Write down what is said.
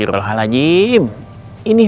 ah princi jajang di proyek dong